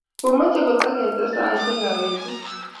komoche kotiketes saisiekab betu